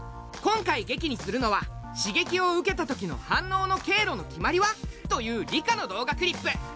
今回劇にするのは「刺激を受けたときの反応の経路の決まりは」という理科の動画クリップ。